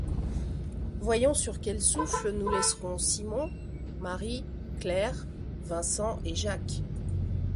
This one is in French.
Voyons sur quel souffle nous laisserons Simon, Marie, Claire, Vincent et Jacques.